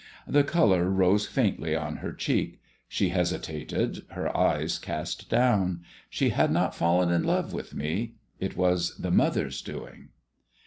The colour rose faintly on her cheek. She hesitated, her eyes cast down. She had not fallen in love with me. It was the mother's doing.